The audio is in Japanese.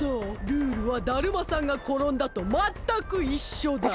ルールはだるまさんがころんだとまったくいっしょだ。